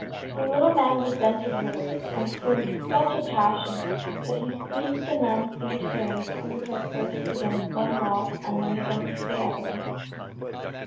The little man resented her words, and flew into such a passion that he seized the nun, beat her, and threw her first against one wall and then against the other.